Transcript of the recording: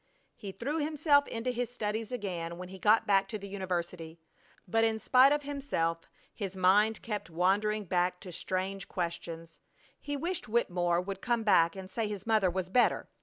He threw himself into his studies again when he got back to the university, but in spite of himself his mind kept wandering back to strange questions. He wished Wittemore would come back and say his mother was better!